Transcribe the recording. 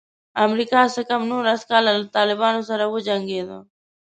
امریکا څه کم نولس کاله له طالبانو سره وجنګېده.